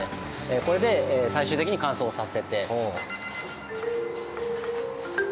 これで最終的に乾燥させて。